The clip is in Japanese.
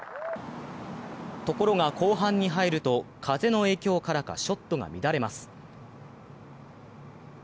ところが後半に入ると、風の影響からかショットが乱れます。